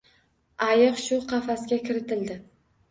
Ayiq shu qafasga kiritildi